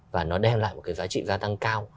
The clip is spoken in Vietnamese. và nó đem lại một cái giá trị gia tăng cao